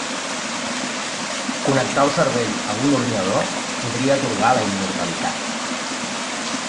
Connectar el cervell a un ordinador podria atorgar la immortalitat